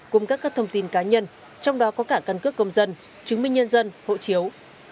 cung cấp các thông tin cá nhân trong đó có cả căn cước công dân chứng minh nhân dân hộ chiếu